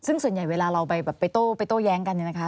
ซึ่งส่วนใหญ่เวลาเราไปโต้แย้งกันเนี่ยนะคะ